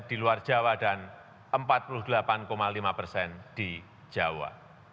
dan empat puluh delapan lima persen di jawa